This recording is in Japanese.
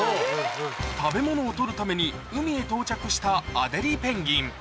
食べ物を取るために海へ到着したアデリーペンギン